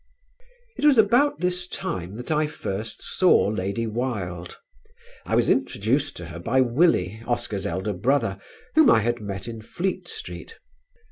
It was about this time that I first saw Lady Wilde. I was introduced to her by Willie, Oscar's elder brother, whom I had met in Fleet Street.